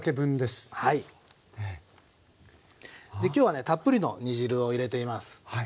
今日はねたっぷりの煮汁を入れています。